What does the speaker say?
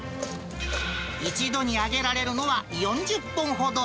一度に揚げられるのは４０本ほど。